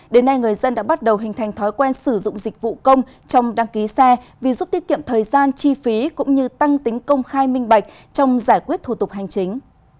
đến nay người dân đã bắt đầu hình thành thói quen sử dụng dịch vụ công trong đăng ký xe vì giúp tiết kiệm thời gian chi phí cũng như tăng tính công khai minh bạch trong giải quyết thủ tục hành chính